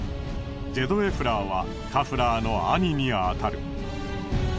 ジェドエフラーはカフラーの兄にあたる。